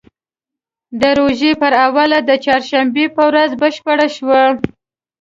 د روژې پر اوله د چهارشنبې په ورځ بشپړه شوه.